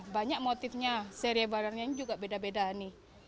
banyak motifnya seri barangnya juga beda beda nih